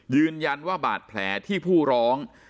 ยืนยันว่าบาดแผลที่ผู้ร้อง